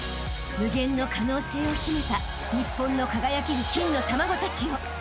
［無限の可能性を秘めた日本の輝ける金の卵たちよ］